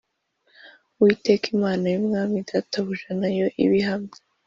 Uwiteka Imana y’umwami databuja na yo ibihamye.